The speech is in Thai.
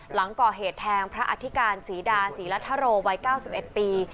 หลังก่อเหตุแทงพระอธิการศรีดาศรีรัฐโรไว้เก้าสิบเอ็ดปี